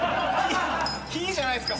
火じゃないですか？